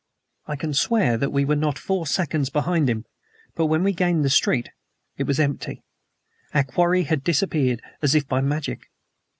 I can swear that we were not four seconds behind him, but when we gained the street it was empty. Our quarry had disappeared as if by magic.